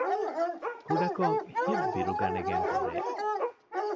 ކުޑަކޮށް ހިތްބިރުގަނެގެން ހުރޭ